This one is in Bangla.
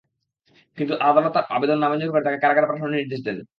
কিন্তু আদালত তাঁর আবেদন নামঞ্জুর করে তাঁকে কারাগারে পাঠানোর নির্দেশ দেন।